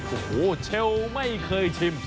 โอ้โหเชลไม่เคยชิม